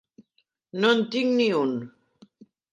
No en tinc ni un.